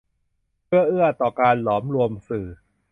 เพื่อเอื้อต่อการหลอมรวมสื่อ